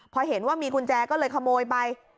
พอเห็นว่ามีกุญแจก็เลยขโมยไป